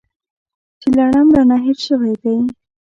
چې لړم رانه هېر شوی دی .